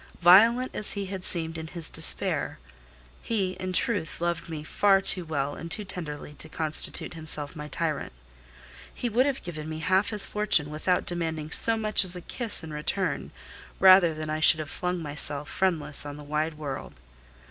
Violent as he had seemed in his despair, he, in truth, loved me far too well and too tenderly to constitute himself my tyrant: he would have given me half his fortune, without demanding so much as a kiss in return, rather than I should have flung myself friendless on the wide world.